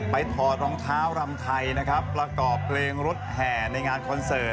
ถอดรองเท้ารำไทยนะครับประกอบเพลงรถแห่ในงานคอนเสิร์ต